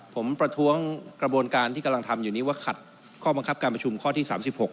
ผมประท้วงกระบวนการที่กำลังทำอยู่นี้ว่าขัดข้อบังคับการประชุมข้อที่๓๖